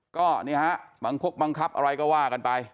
ก็นี่ฮะบังคกบังคับอะไรก็ว่ากันไป